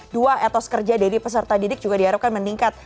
dua etos kerja dari peserta didik juga diharapkan meningkat